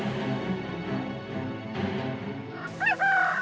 ada beberapa orang yang berpikir bahwa dia akan menangkap putri